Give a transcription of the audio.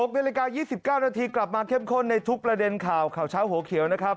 ๖นาฬิกา๒๙นาทีกลับมาเข้มข้นในทุกประเด็นข่าวข่าวเช้าหัวเขียวนะครับ